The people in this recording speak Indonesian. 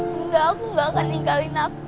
bunda aku gak akan ninggalin aku